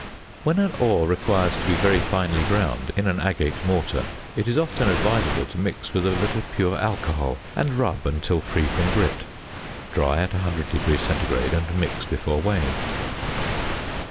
When an ore requires to be very finely ground in an agate mortar, it is often advisable to mix with a little pure alcohol and rub until free from grit; dry at 100° C. and mix well before weighing.